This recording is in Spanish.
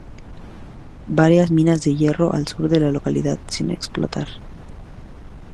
Varias minas de hierro, al Sur de la localidad, sin explotar.